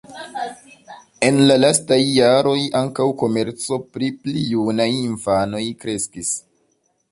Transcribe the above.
En la lastaj jaroj ankaŭ komerco pri pli junaj infanoj kreskis.